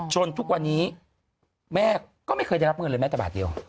ทุกวันนี้แม่ก็ไม่เคยได้รับเงินเลยแม้แต่บาทเดียว